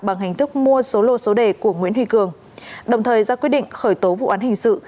bằng hình thức mua số lô số đề của nguyễn huy cường đồng thời ra quyết định khởi tố vụ án hình sự